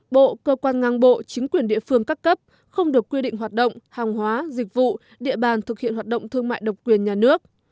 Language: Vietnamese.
bộ cơ quan ngang bộ chính quyền địa phương các cấp không được quy định hoạt động hàng hóa dịch vụ địa bàn thực hiện hoạt động thương mại độc quyền nhà nước